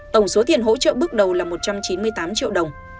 tổng số tiền hỗ trợ bước đầu là một trăm chín mươi tám triệu đồng